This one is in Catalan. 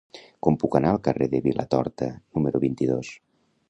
Com puc anar al carrer de Vilatorta número vint-i-dos?